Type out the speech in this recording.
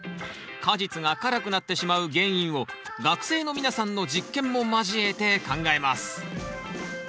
果実が辛くなってしまう原因を学生の皆さんの実験も交えて考えます。